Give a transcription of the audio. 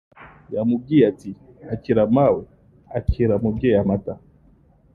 yamubwiye Ati: “Akira mawe, akira mubyeyi amata